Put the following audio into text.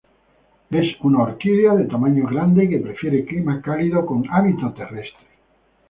Es una orquídea de tamaño grande, que prefiere clima cálido, con hábito terrestre.